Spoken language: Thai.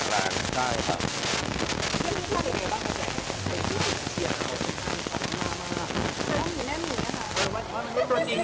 คือเราคุยกันเหมือนเดิมตลอดเวลาอยู่แล้วไม่ได้มีอะไรสูงแรง